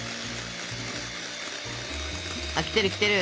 あっ来てる来てる。